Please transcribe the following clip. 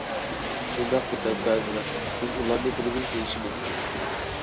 مۇنداق دېسەم، بەزىلەر «بىز ئۇلارنى بىلىمىز» ، دېيىشى مۇمكىن.